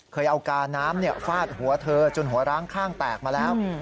เคยเอากาน้ำฟาดหัวเธอจนหัวร้างข้างแตกมาแล้ว